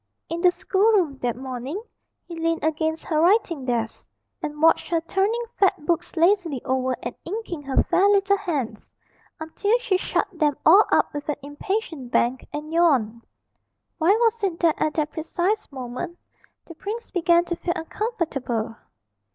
In the schoolroom that morning he leaned against her writing desk, and watched her turning fat books lazily over and inking her fair little hands, until she shut them all up with an impatient bang and yawned. Why was it that at that precise moment the prince began to feel uncomfortable?